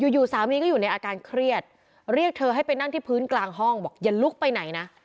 อยู่สามีก็อยู่ในอาการเครียดเรียกเธอให้ไปนั่งที่พื้นกลางห้องบอกอย่าลุกไปไหนนะ